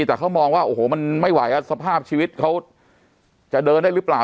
แต่เขามองว่าโอ้โหมันไม่ไหวสภาพชีวิตเขาจะเดินได้หรือเปล่า